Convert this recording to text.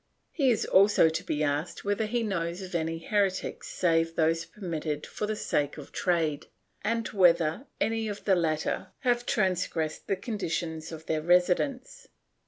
He is also to be asked whether he knows of any heretics save those permitted for the sake of trade, and whether any of the latter have transgressed the conditions of their residence.